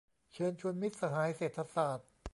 เชิญชวนมิตรสหายเศรษฐศาสตร์